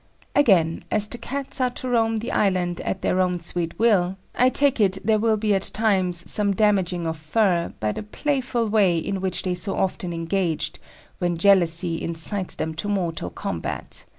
Again, as the Cats are to roam the island at their "own sweet will," I take it there will be at times some "damaging of fur" by the playful way in which they so often engage, when jealousy incites them to mortal combat.